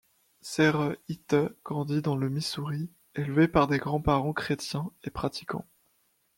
Shere Hite grandit dans le Missouri, élevée par des grands-parents chrétiens et pratiquants.